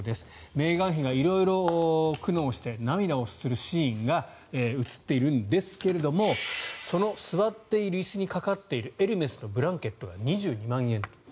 メーガン妃が色々苦悩して涙をするシーンが映っているんですけれどもその座っている椅子にかかっているエルメスのブランケットが２２万円と。